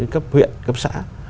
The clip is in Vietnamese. cấp huyện cấp xã